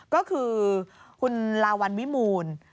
ก็คือคุณลาวัลวิมูล